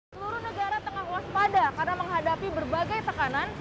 seluruh negara tengah waspada karena menghadapi berbagai tekanan